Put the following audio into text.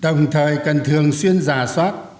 đồng thời cần thường xuyên giả soát